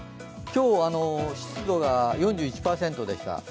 今日、湿度が４１％でした。